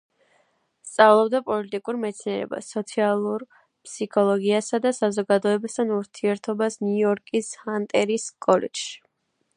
სწავლობდა პოლიტიკურ მეცნიერებას, სოციალურ ფსიქოლოგიასა და საზოგადოებასთან ურთიერთობას ნიუ-იორკის ჰანტერის კოლეჯში.